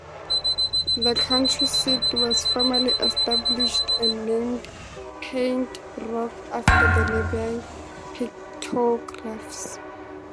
The county seat was formally established and named Paint Rock after the nearby pictographs.